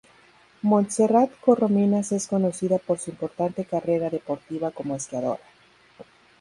Montserrat Corominas es conocida por su importante carrera deportiva como esquiadora.